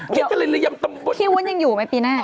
คิดกันเลยยำตำบวน